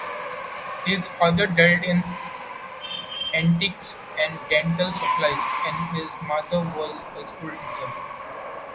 His father dealt in antiques and dental supplies, and his mother was a schoolteacher.